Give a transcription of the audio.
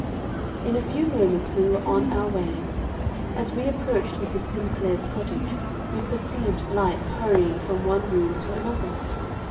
"In a few moments we were on our way. As we approached Mrs. Sinclair's cottage, we perceived lights hurrying from one room to another.